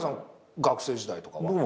学生時代とかは？